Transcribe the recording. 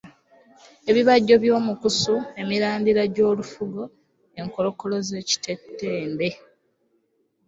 Ebibajjo by’omukusu, emirandira gy’olufugo, enkolokolo z’ekitembe.